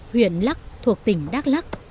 huyện lắc thuộc tỉnh đắk lắc